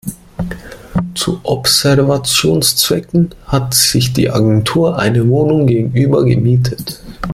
Zu Observationszwecken hat sich die Agentur eine Wohnung gegenüber gemietet.